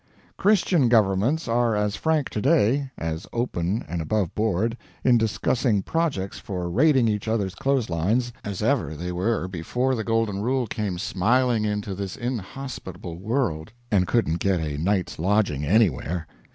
Christian governments are as frank to day, as open and above board, in discussing projects for raiding each other's clothes lines as ever they were before the Golden Rule came smiling into this inhospitable world and couldn't get a night's lodging anywhere.